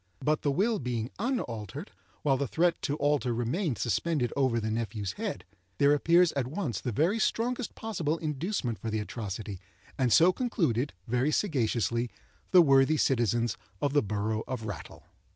But the will being unaltered, while the threat to alter remained suspended over the nephew's head, there appears at once the very strongest possible inducement for the atrocity, and so concluded, very sagaciously, the worthy citizens of the borough of Rattle.